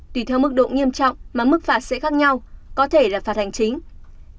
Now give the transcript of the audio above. tùy theo mức độ nghiêm trọng mà mức phạt sẽ khác nhau có thể là phạt hành chính